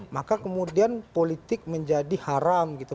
maka kemudian politik menjadi haram gitu